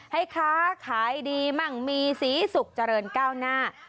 ค้าขายดีมั่งมีสีสุขเจริญก้าวหน้า